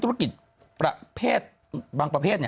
ธุรกิจบางประเภท